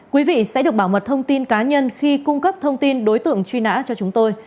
quý vị sẽ được bảo mật thông tin cá nhân khi cung cấp thông tin đối tượng truy nã cho chúng tôi